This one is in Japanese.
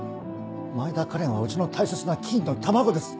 前田花恋はうちの大切な金の卵です。